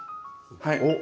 はい。